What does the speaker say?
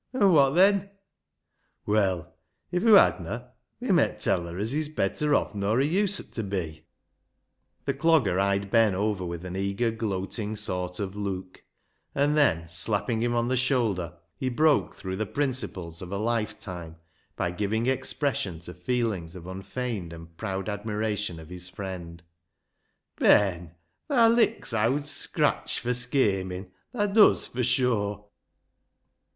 " An' wot then ?"" Well, if hoo hadna, we met tell her as he's better off nor he uset be." LIGE'S LEGACY 195 The Clogger eyed Ben over with an eager, gloating sort of look, and then, slapping him on the shoulder, he broke through the principles of a lifetime by giving expression to feelings of unfeigned and proud admiration of his friend —" Ben thaa licks Owd Scratch fur schamin' — thaa does, for sure."